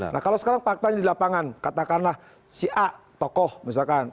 nah kalau sekarang faktanya di lapangan katakanlah si a tokoh misalkan